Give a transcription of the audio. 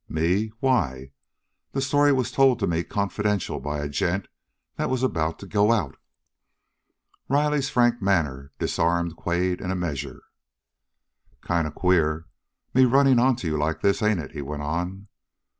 "Me? Why, that story was told me confidential by a gent that was about to go out!" Riley's frank manner disarmed Quade in a measure. "Kind of queer, me running on to you like this, ain't it?" he went on.